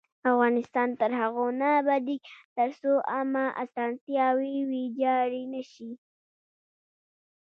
افغانستان تر هغو نه ابادیږي، ترڅو عامه اسانتیاوې ویجاړې نشي.